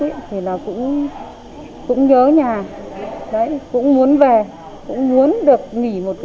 nhiều lúc thì là cũng nhớ nhà cũng muốn về cũng muốn được nghỉ một chút